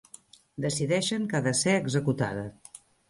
Decideixen que ha de ser executada.